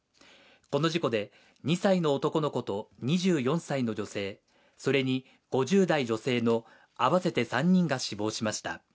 この事故で、２歳の男の子と２４歳の女性、それに５０代女性のあわせて３人が死亡しました。